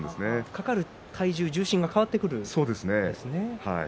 かかる重心が変わってくるんですね。